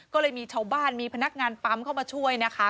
ก็เลยมีชาวบ้านมีพนักงานปั๊มเข้ามาช่วยนะคะ